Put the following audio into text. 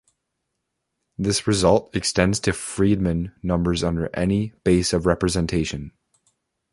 This result extends to Friedman numbers under any base of representation.